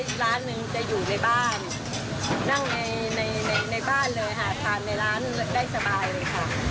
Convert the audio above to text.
อีกร้านหนึ่งจะอยู่ในบ้านนั่งในในบ้านเลยค่ะทานในร้านได้สบายเลยค่ะ